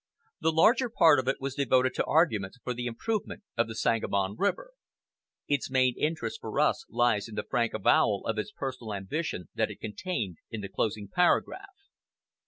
The larger part of it was devoted to arguments for the improvement of the Sangamon River. Its main interest for us lies in the frank avowal of his personal ambition that is contained in the closing paragraph.